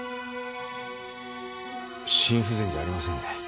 心不全じゃありませんね。